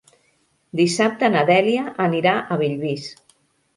Dissabte na Dèlia anirà a Bellvís.